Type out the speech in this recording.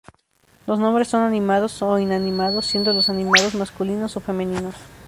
Los nombres son animados o inanimados, siendo los animados masculinos o femeninos.